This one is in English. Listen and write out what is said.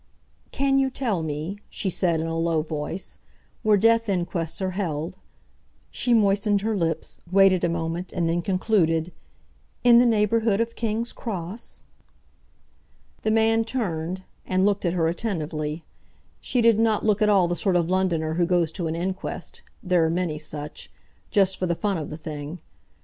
"Can you tell me," she said, in a low voice, "where death inquests are held"—she moistened her lips, waited a moment, and then concluded—"in the neighbourhood of King's Cross?" The man turned and, looked at her attentively. She did not look at all the sort of Londoner who goes to an inquest—there are many such—just for the fun of the thing.